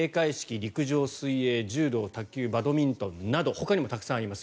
陸上、水泳、柔道、卓球バドミントンなどほかにもたくさんあります。